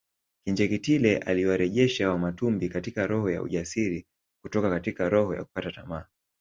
Kinjekitile aliyewarejesha Wamatumbi katika roho ya ujasiri kutoka katika roho ya kukata tamaa